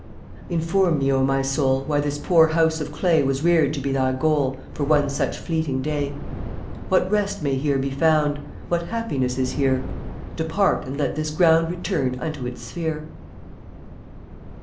54 Inform me, O my Soul, Why this poor house of clay Was reared to be thy goal For one such fleeting day? What rest may here be found? What happiness is here? Depart, and let this ground Return unto its sphere.